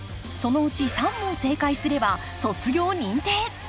そのうち３問正解すれば卒業認定！